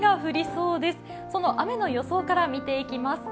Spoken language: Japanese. その雨の予想から見ていきます。